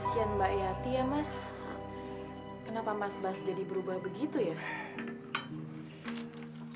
kenapa mas bas jadi berubah begitu ya